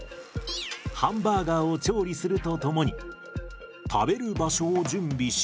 ハンバーガーを調理するとともに食べる場所を準備し。